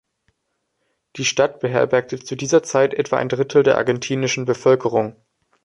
Die Stadt beherbergte zu dieser Zeit etwa ein Drittel der argentinischen Bevölkerung.